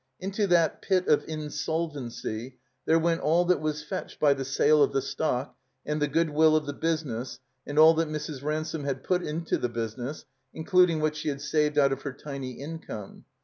Into that pit of insolvency there went all that was fetched by the sale of the stock and the goodwill of the business and all that Mrs. Ransome had put into the business, including what she had saved out of her tiny income.